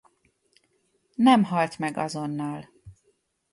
Nem halt meg azonnal.